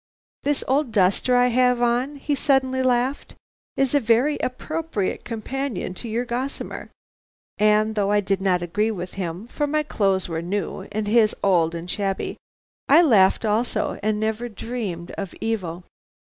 "'This old duster I have on,' he suddenly laughed, 'is a very appropriate companion to your gossamer,' and though I did not agree with him, for my clothes were new, and his old and shabby, I laughed also and never dreamed of evil.